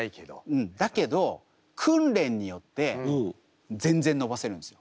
うんだけど訓練によって全然伸ばせるんですよ。